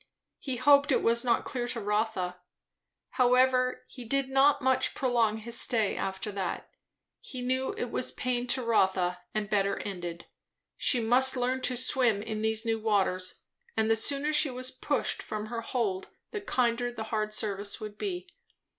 He hoped it was not clear to Rotha. However, he did not much prolong his stay after that. He knew it was pain to Rotha and better ended; she must learn to swim in these new waters, and the sooner she was pushed from her hold the kinder the hard service would be.